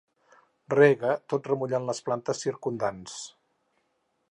Rega tot remullant les plantes circumdants.